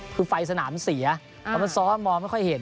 คือไฟสนามเสียเพราะมันซ้อนมองไม่ค่อยเห็น